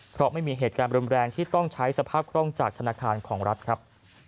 เพราะไม่มีเหตุการณ์รุนแรงที่ต้องใช้สภาพคล่องจากธนาคารของรัฐครับ